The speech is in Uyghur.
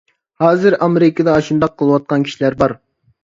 ھازىر ئامېرىكىدا ئاشۇنداق قىلىۋاتقان كىشىلەر بار.